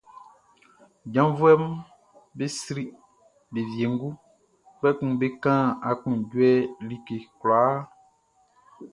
Janvuɛʼm be sri be wiengu, kpɛkun be kan aklunjuɛ like kwlaa.